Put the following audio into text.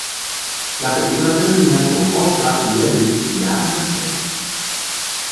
La película termina con Oskar y Eli viajando en tren.